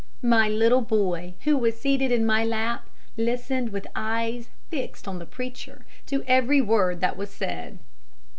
My little boy, who was seated in my lap, listened, with eyes fixed on the preacher, to every word that was said.